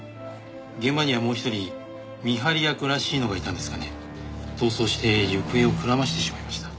現場にはもう一人見張り役らしいのがいたんですがね逃走して行方をくらましてしまいました。